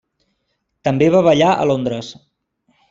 També va ballar a Londres.